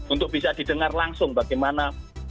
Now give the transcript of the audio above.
untuk bisa didengar langsung bagaimana